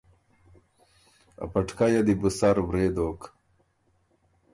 ا پټکئ یه دی بو سر ورې دوک،